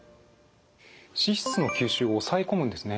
脂質の吸収を抑え込むんですね。